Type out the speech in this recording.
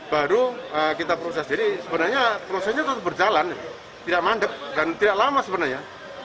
baru kita proses jadi sebenarnya prosesnya tetap berjalan tidak mandek dan tidak lama sebenarnya